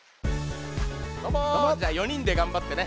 どうもじゃあ４にんでがんばってね